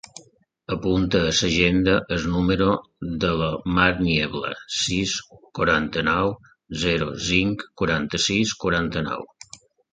Apunta a l'agenda el número de la Mar Niebla: sis, quaranta-nou, zero, cinc, quaranta-sis, quaranta-nou.